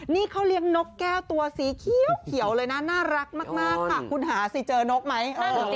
นี่เขาเลี้ยงนกแก้วตัวสีเขียวเลยนะน่ารักมากค่ะคุณหาสิเจอนกไหม